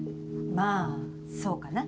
まあそうかな。